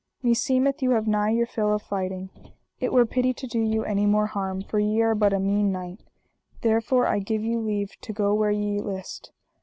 meseemeth you have nigh your fill of fighting, it were pity to do you any more harm, for ye are but a mean knight, therefore I give you leave to go where ye list.